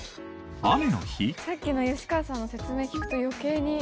さっきの吉川さんの説明聞くと余計に。